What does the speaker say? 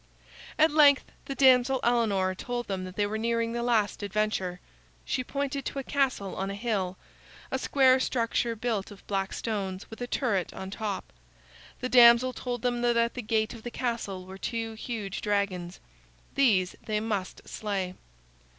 At length the damsel Elinor told them that they were nearing the last adventure. She pointed to a castle on a hill; a square structure built of black stones, with a turret on top. The damsel told them that at the gate of the castle were two huge dragons. These they must slay.